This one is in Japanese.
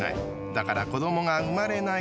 だから、子どもが生まれない。